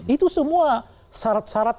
itu semua syarat syarat